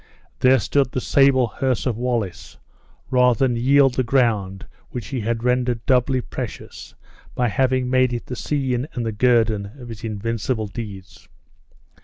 There stood the sable hearse of Wallace, rather than yield the ground which he had rendered doubly precious by having made it the scene and the guerdon of his invincible deeds!